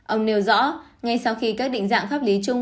ông nêu rõ ngay sau khi các định dạng pháp lý chung